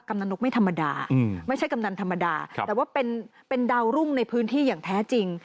กำลังนกไม่ธรรมดาไม่ใช่กำนันธรรมดาแต่ว่าเป็นดาวรุ่งในพื้นที่อย่างแท้จริง